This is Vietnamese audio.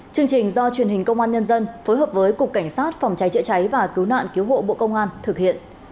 chương trình do truyền hình công an nhân dân phối hợp với cục cảnh sát phòng cháy chữa cháy và cứu nạn cứu hộ bộ công an thực hiện